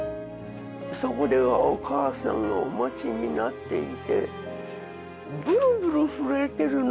そこではお義母さんがお待ちになっていてブルブル震えてるの